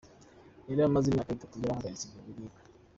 Yari amaze imyaka atatu yarahagaritse ibyo kuririmba.